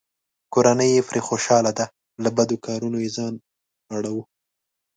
کورنۍ یې پرې خوشحاله ده؛ له بدو کارونو یې ځان اړووه.